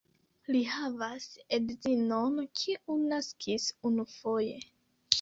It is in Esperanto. Li havas edzinon, kiu naskis unufoje.